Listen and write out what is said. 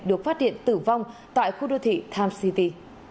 được phát hiện tử vong tại khu đô thị tham city